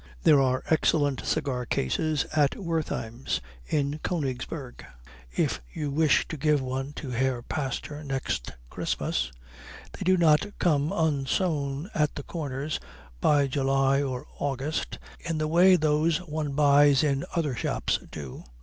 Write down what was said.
There are excellent cigar cases at Wertheim's in Königsberg if you wish to give one to Herr Pastor next Christmas. They do not come unsewn at the corners by July or August in the way those one buys in other shops do.